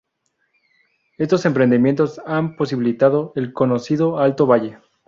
Estos emprendimientos han posibilitado el conocido Alto Valle.